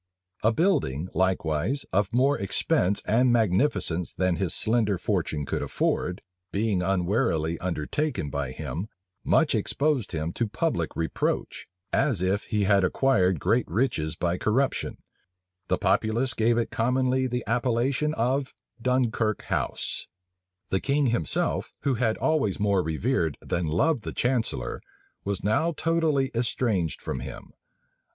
A building, likewise, of more expense and magnificence than his slender fortune could afford, being unwarily undertaken by him, much exposed him to public reproach, as if he had acquired great riches by corruption. The populace gave it commonly the appellation of Dunkirk House. [Illustration: 1 781 chatham.jpg CHATHAM] The king himself, who had always more revered than loved the chancellor, was now totally estranged from him.